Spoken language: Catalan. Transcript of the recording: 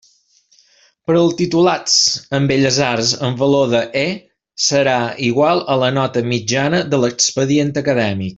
Per als titulats en Belles Arts el valor de E serà igual a la nota mitjana de l'expedient acadèmic.